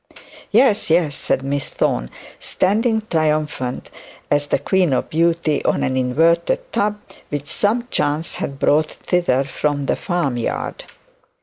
'Yes, yes,' said Miss Thorne, standing triumphant as the queen of beauty, on an inverted tub which some chance had brought hither from the farm yard.